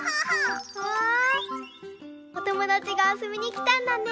うわおともだちがあそびにきたんだね。